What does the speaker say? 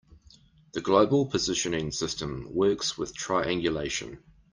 The global positioning system works with triangulation.